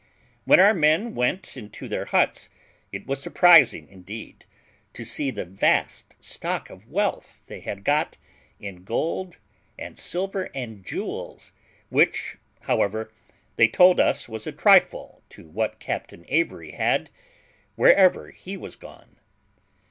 When our men went into their huts, it was surprising, indeed, to see the vast stock of wealth they had got, in gold and silver and jewels, which, however, they told us was a trifle to what Captain Avery had, wherever he was gone.